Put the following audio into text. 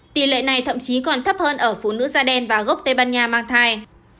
tỷ lệ này thậm chí còn thấp hơn ở phụ nữ da đen và gốc tây ban nha mang thai